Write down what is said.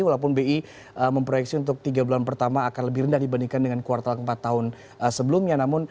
walaupun bi memproyeksi untuk tiga bulan pertama akan lebih rendah dibandingkan dengan kuartal keempat tahun sebelumnya